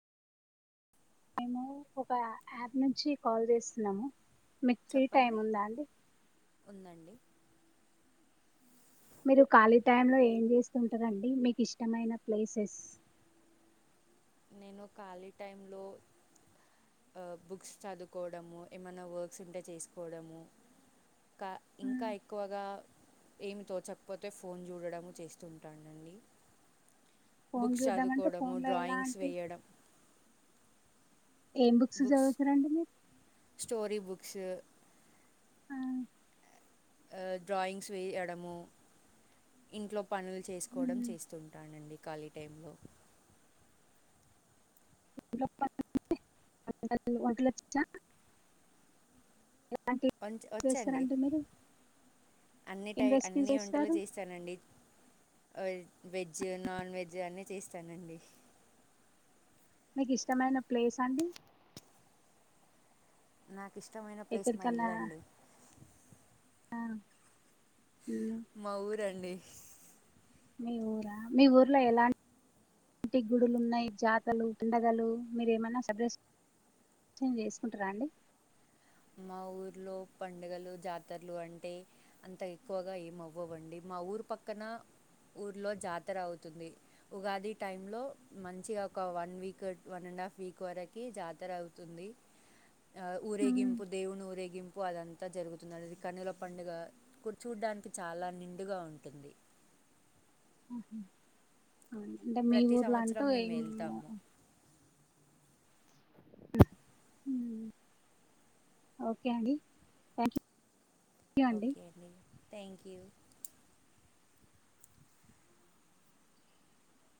మేము ఒక యాప్ నుంచి కాల్ చేస్తున్నాము మీకు ఫ్రీ టైం చెప్పండి ఉందా అండి ఉందండి మీరు ఖాళీ టైంలో ఏం చేస్తుంటరండీ మీకు ఇష్టమైన ప్లేసెస్ నేను ఖాళీ టైంలో ఆ బుక్స్ చదువుకోవడము, ఏమైనా వర్క్స్ ఉంటే చేసుకోవడము, కా ఇంకా ఎక్కువగా ఏమి తోచకపోతే ఫోన్ చూడడము చేస్తుంటాన్నండి ఫోన్ బుక్స్ చూడ్డం అంటే చదువుకోవడము, ఫోన్ లో ఎలా డ్రాయింగ్స్ అంటే వేయడం ఏం బుక్స్ చదువుతారండి మీరు క్స్ ఆ, ఆ డ్రాయింగ్స్ వేయడము ఇంట్లో పనులు చేసుకోవడం మ్మ్. చేస్తుంటానండి. ఖాళీ టైంలో [inaudible] అలాంటివి వన్ వచ్చండి చేస్తారండి మీరు అన్ని ఏం టై రెసిపీస్ అన్ని వంటలు చేస్తారు చేస్తానండి వెజ్ నాన్ వెజ్ అన్ని చేస్తానండి. మీకు ఇష్టమైన ప్లేస్ అండి నాక్ ఇష్టమైన ప్లేస్ మా ఎక్కడికన్నా ఇల్లు అండి ఆ మ్మ్. మా ఊరండి మీ ఊరా మీ ఊర్లో ఎలాంన్ టీ గుడులు ఉన్నాయి జాతర్లు పండగలు మీరేమన సెలెబ్రే షన్ చేసుకుంటారా అండి మా ఊర్లో పండగలు జాతర్లు అంటే అంత ఎక్కువగా ఏమ్ అవ్వవండి మా ఊరు పక్కన ఊర్లో జాతర అవుతుంది. ఉగాది టైంలో మంచిగా ఒక one week one and half week వరకు జాతర అవుతుంది. ఆ ఊరేగింప్ మ్మ్. దేవుణ్ణి ఊరేగింపు అదంతా జరుగుతుందనేది కనుల పండుగ కూర్చ్ చూడ్డానికి చాలా నిండుగా ఉంటుంది. అవును అంటే మీ ప్రతి ఊర్లో అంటూ సంవత్సరం మేము ఏం వెళ్తాము హ్మ్ ఓకే అడి థ్యాంక్ యూ ఓకే అండి థ్యాంక్ యూ